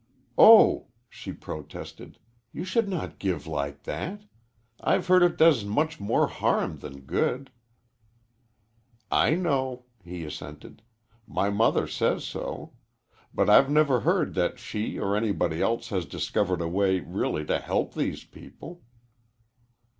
"Oh," she protested, "you should not give like that. I've heard it does much more harm than good." "I know," he assented. "My mother says so. But I've never heard that she or anybody else has discovered a way really to help these people."